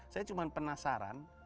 saya cuma penasaran